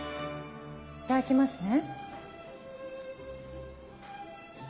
いただきますね。